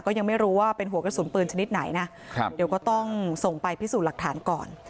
ยังไม่รู้ว่าเป็นหัวกระสุนปืนชนิดไหนนะครับเดี๋ยวก็ต้องส่งไปพิสูจน์หลักฐานก่อน